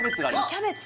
キャベツ